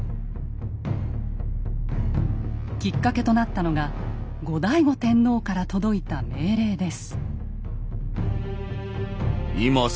きっかけとなったのが後醍醐天皇から届いた命令です。